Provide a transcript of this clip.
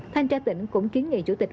thanh tra tỉnh cũng kiến nghị chủ tịch